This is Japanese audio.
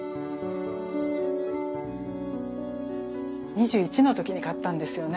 ２１の時に買ったんですよね。